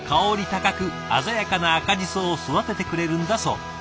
高く鮮やかな赤ジソを育ててくれるんだそう。